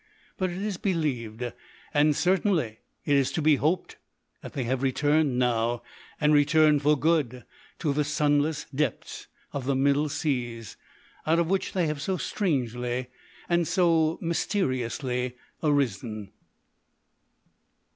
But it is believed, and certainly it is to be hoped, that they have returned now, and returned for good, to the sunless depths of the middle seas, out of which they have so strangely and so mysteriously arisen.